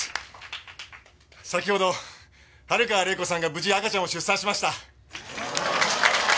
先ほど春川玲子さんが無事赤ちゃんを出産しました。